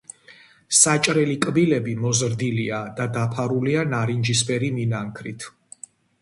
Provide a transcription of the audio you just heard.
საჭრელი კბილები მოზრდილია და დაფარულია ნარინჯისფერი მინანქრით.